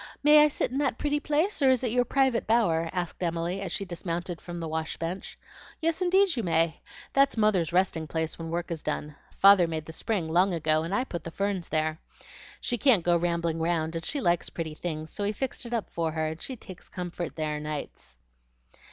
May I sit in that pretty place; or is it your private bower?" asked Emily, as she dismounted from the wash bench. "Yes, indeed you may. That's mother's resting place when work is done. Father made the spring long ago, and I put the ferns there. She can't go rambling round, and she likes pretty things, so we fixed it up for her, and she takes comfort there nights."